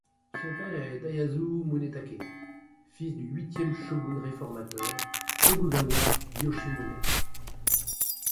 Son père est Tayasu Munetake, fils du huitième shogun réformateur Tokugawa Yoshimune.